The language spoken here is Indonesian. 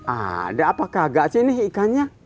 ada apa kagak sih nih ikannya